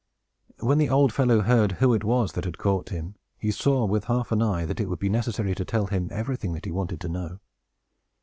When the old fellow heard who it was that had caught him, he saw, with half an eye, that it would be necessary to tell him everything that he wanted to know.